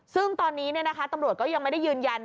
ซึ่งตอนนี้ตำรวจก็ยังไม่ได้ยืนยัน